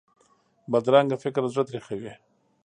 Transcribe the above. بدرنګه فکر زړه تریخوي